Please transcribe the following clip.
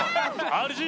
ＲＧ！